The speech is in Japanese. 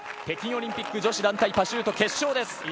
北京オリンピック女子団体パシュート決勝です。